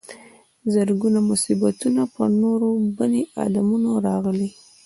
زرګونه مصیبتونه پر نورو بني ادمانو راغلي.